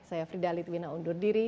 saya fridhali twina undur diri